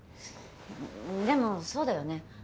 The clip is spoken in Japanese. でもそうだよね。